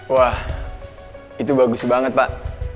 wah itu bagus banget pak